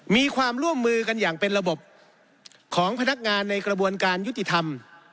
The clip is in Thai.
มีความร่วมมือกันอย่างเป็นระบบของพนักงานในกระบวนการยุติธรรม